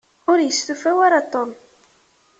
Ur yestufa ara Tom.